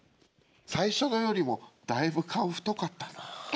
最初のよりもだいぶ顔太かったな。